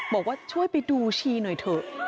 บอกว่าช่วยไปดูชีหน่อยเถอะ